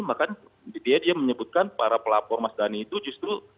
maka dia menyebutkan para pelapor mas dhani itu justru